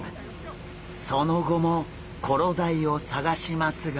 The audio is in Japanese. その後もコロダイを探しますが。